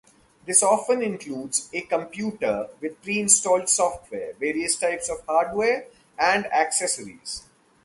This often includes a computer with pre-installed software, various types of hardware, and accessories.